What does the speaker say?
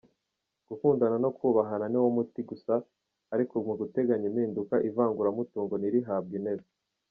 Gukundana no kubahana ni wo muti gusa, ariko mu guteganya impinduka, ivanguramutungo nirihabwe intebe.